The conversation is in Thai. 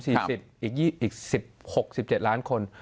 อีก๑๖๑๗ล้านคน